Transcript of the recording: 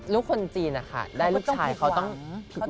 ลูกคนจีนค่ะได้ลูกชายเขาต้องผิดหวัง